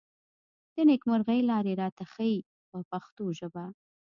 د نېکمرغۍ لارې راته ښيي په پښتو ژبه.